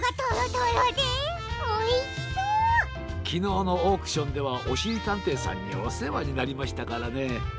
きのうのオークションではおしりたんていさんにおせわになりましたからね。